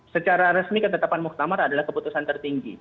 secara resmi ketetapan muktamar adalah keputusan tertinggi